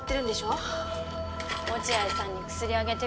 落合さんに薬あげてくる。